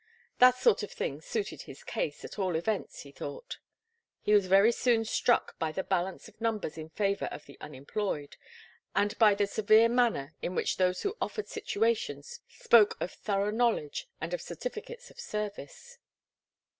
That sort of thing suited his case, at all events, he thought. He was very soon struck by the balance of numbers in favour of the unemployed, and by the severe manner in which those who offered situations spoke of thorough knowledge and of certificates of service.